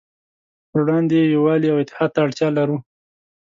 پروړاندې یې يووالي او اتحاد ته اړتیا لرو.